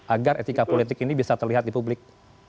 agar etika politik ini bisa terlihat di publik